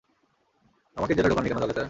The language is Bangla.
আমাকে জেলে ঢোকাননি কেন তাহলে, স্যার?